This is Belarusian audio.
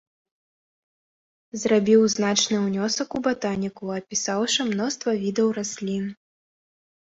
Зрабіў значны ўнёсак у батаніку, апісаўшы мноства відаў раслін.